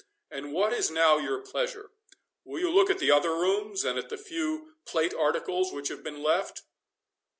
—And what is now your pleasure? Will you look at the other rooms, and at the few plate articles which have been left?"